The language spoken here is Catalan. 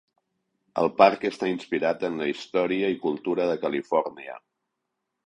El parc està inspirat en la història i cultura de Califòrnia.